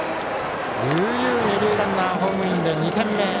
悠々二塁ランナーがホームインで２点目。